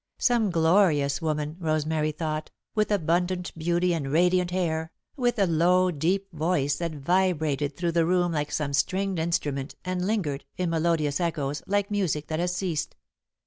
Some glorious woman, Rosemary thought, with abundant beauty and radiant hair, with a low, deep voice that vibrated through the room like some stringed instrument and lingered, in melodious echoes, like music that has ceased.